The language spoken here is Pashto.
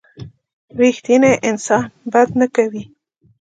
رښتینی انسان بد نه کوي.